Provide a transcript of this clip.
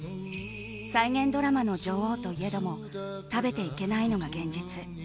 再現ドラマの女王といえども食べていけないのが現実。